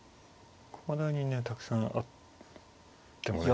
駒台にねたくさんあってもね。